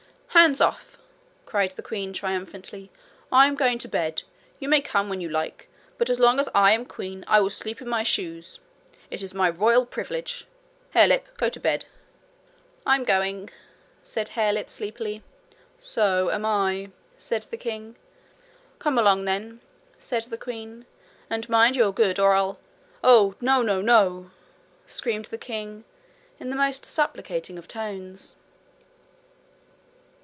'Hands off!' cried the queen triumphantly. 'I'm going to bed. You may come when you like. But as long as I am queen I will sleep in my shoes. It is my royal privilege. Harelip, go to bed.' 'I'm going,' said Harelip sleepily. 'So am I,' said the king. 'Come along, then,' said the queen; 'and mind you are good, or I'll ' 'Oh, no, no, no!' screamed the king in the most supplicating of tones.